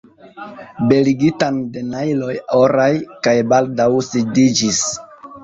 Beligitan de najloj oraj, kaj baldaŭ sidiĝis.